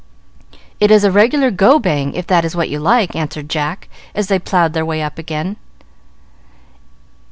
"It is a regular 'go bang,' if that is what you like," answered Jack, as they plowed their way up again.